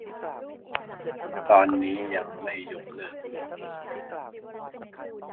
ตอนนี้ยังไม่ยกเลิก